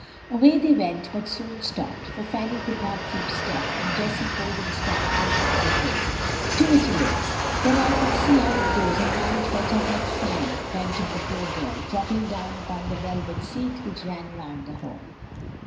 Away they went, but soon stopped; for Fanny could not keep step, and Jessie pulled and stamped and hummed in vain. "Do it alone; then I can see how it goes, and manage better next time," panted the poor girl, dropping down upon the velvet seat which ran round the hall.